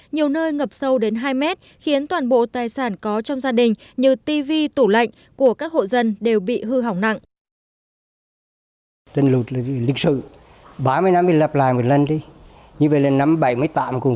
nhiều nơi ngập sâu đến hai mét khiến toàn bộ tài sản có trong gia đình như tv tủ lạnh của các hộ dân đều bị hư hỏng nặng